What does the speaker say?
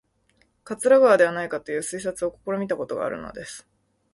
桂川ではないかという推察を試みたことがあるのです